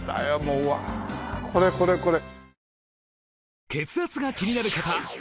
うわこれこれこれ。